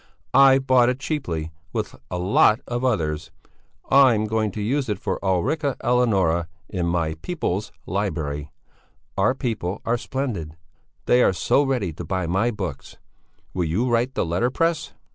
I've bought it cheaply, with a lot of others. I'm going to use it for Ulrica Eleonora in my People's Library. Our people are splendid; they are so ready to buy my books. Will you write the letterpress?"